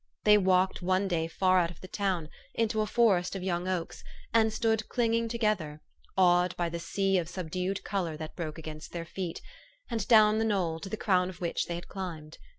They walked one day far out of the town, into a forest of young THE STORY OF AVIS. 215 oaks, and stood clinging together, awed by the sea of subdued color that broke against their feet, and down the knoll, to the crown of which they had climbed.